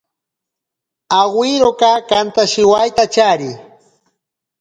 Awiroka kantashiwaitachari.